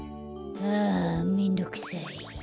あめんどくさい。